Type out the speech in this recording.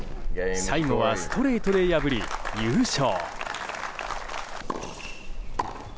最後はストレートで破り、優勝。